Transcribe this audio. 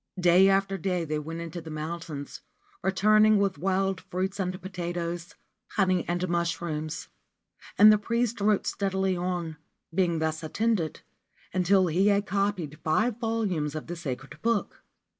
Day after day they went into the mountains, returning with wild fruits and potatoes, honey and mushrooms ; and the priest wrote steadily on, being thus attended, until he had copied five volumes of the sacred book.